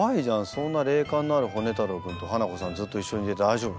そんな霊感のあるホネ太郎君とハナコさんずっと一緒にいて大丈夫？